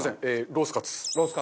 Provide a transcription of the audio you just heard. ロースカツ。